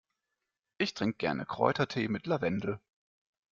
Ich trinke gerne Kräutertee mit Lavendel.